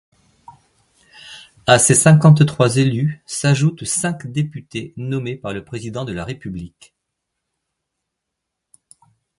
A ces cinquantre-trois élus s'ajoutent cinq députés nommés par le président de la République.